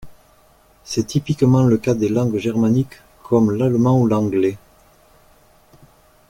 C'est typiquement le cas des langues germaniques comme l'allemand ou l'anglais.